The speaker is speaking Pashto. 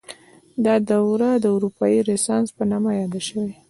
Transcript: دا دوره د اروپايي رنسانس په نامه یاده شوې.